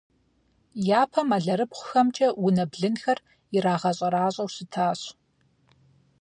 Япэм алэрыбгъухэмкӏэ унэ блынхэр ирагъэщӏэращӏэу щытащ.